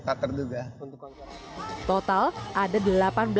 sering ternegokan dengan minimal di atas hati seratus nama personel